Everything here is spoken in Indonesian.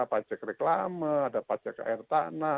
pajak reklama ada pajak air tanah